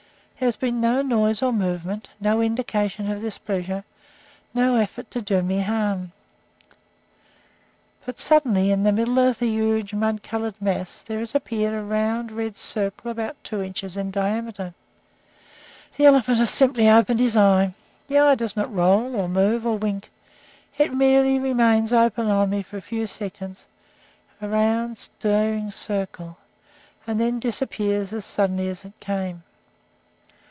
There has been no noise or movement, no indication of displeasure, no effort to do me harm. But suddenly, in the middle of the huge, mud colored mass there has appeared a round, red circle about two inches in diameter. The elephant has simply opened his eye. The eye does not roll, or move, or wink. It merely remains open on me for a few seconds, a round, staring circle, and then disappears as suddenly as it came.